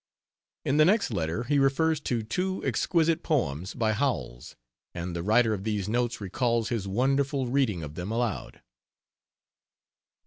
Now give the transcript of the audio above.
In the next letter he refers to two exquisite poems by Howells, and the writer of these notes recalls his wonderful reading of them aloud.